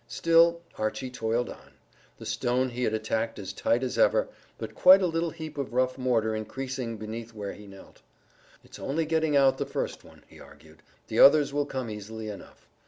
Still Archy toiled on, the stone he had attacked as tight as ever, but quite a little heap of rough mortar increasing beneath where he knelt. "It's only getting out the first one," he argued; "the others will come easily enough."